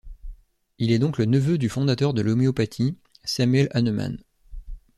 Il est donc le neveu du fondateur de l'homéopathie, Samuel Hahnemann.